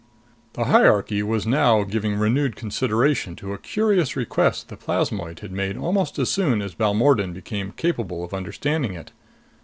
The hierarchy was now giving renewed consideration to a curious request the plasmoid had made almost as soon as Balmordan became capable of understanding it.